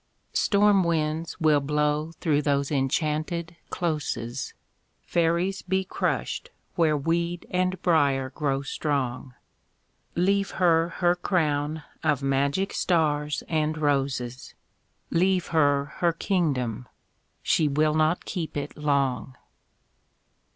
Storm winds will blow through those enchanted closes, Fairies be crushed where weed and briar grow strong ... Leave her her crown of magic stars and roses, Leave her her kingdom—she will not keep it long!